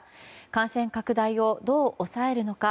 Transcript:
感染拡大をどう抑えるのか